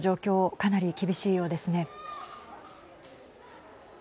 かなり厳しいようですね。